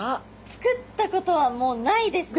作ったことはもうないですね。